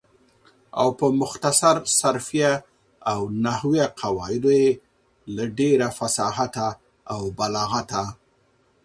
او په مختصر صرفیه او نحویه قواعدو یې له ډېره فصاحته او بلاغته